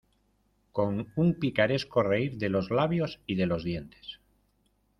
con un picaresco reír de los labios y de los dientes.